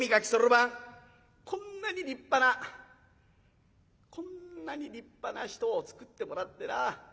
こんなに立派なこんなに立派な人をつくってもらってな。